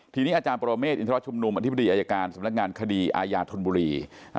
ทีนี้อาจารย์ปรเมฆอินทรชุมนุมอธิบดีอายการสำนักงานคดีอาญาธนบุรี